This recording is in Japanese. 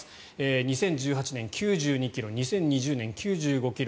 ２０１８年、９２ｋｇ２０２０年、９５ｋｇ